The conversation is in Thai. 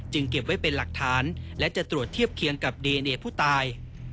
เก็บไว้เป็นหลักฐานและจะตรวจเทียบเคียงกับดีเอเนยผู้ตาย